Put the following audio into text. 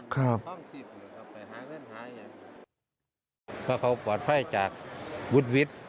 เพราะเขาปลอดภัยจากบุตรวิทย์